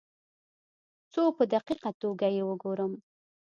څو په دقیقه توګه یې وګورم.